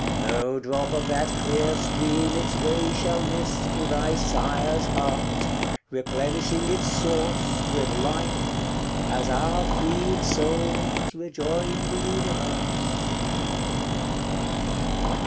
No drop of that clear stream its way shall miss To thy sire's heart, replenishing its source With life, as our freed souls rejoin the universe.